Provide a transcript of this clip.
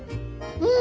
うん！